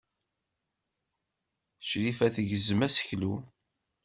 Crifa tegzem aseklu.